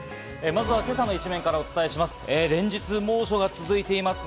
まずは今朝の一面からお伝えします。